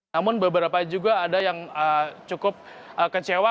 namun beberapa juga ada yang cukup kecewa